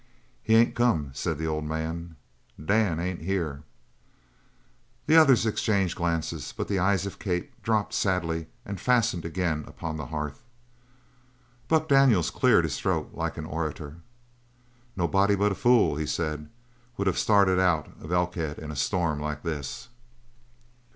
"He ain't come," said the old man. "Dan ain't here." The others exchanged glances, but the eyes of Kate dropped sadly and fastened again upon the hearth. Buck Daniels cleared his throat like an orator. "Nobody but a fool," he said, "would have started out of Elkhead in a storm like this."